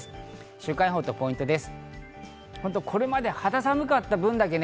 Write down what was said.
週間予報とポイントです。